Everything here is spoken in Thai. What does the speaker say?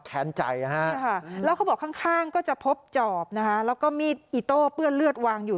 แค้นใจนะฮะแล้วเขาบอกข้างก็จะพบจอบนะคะแล้วก็มีดอิโต้เปื้อนเลือดวางอยู่